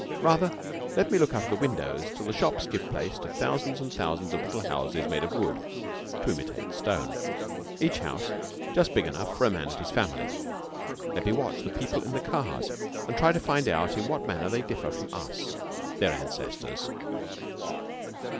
Rather let me look out of the windows till the shops give place to thousands and thousands of little houses made of wood (to imitate stone), each house just big enough for a man and his family. Let me watch the people in the cars and try to find out in what manner they differ from us, their ancestors.